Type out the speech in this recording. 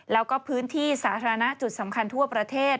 แล้วก็พื้นที่สาธารณะจุดสำคัญทั่วประเทศ